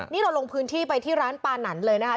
นี่เราลงพื้นที่ไปที่ร้านปานันเลยนะคะ